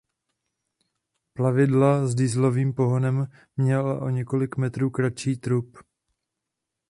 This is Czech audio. Plavidla s dieselovým pohonem měla o několik metrů kratší trup.